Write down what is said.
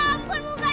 ampun pak ampun